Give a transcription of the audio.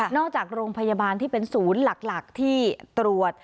จากโรงพยาบาลที่เป็นศูนย์หลักที่ตรวจ